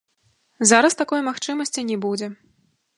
Зараз такой магчымасці не будзе.